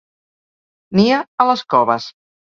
Nia a les coves.